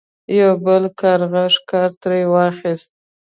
یو بل کارغه ښکار ترې واخیست.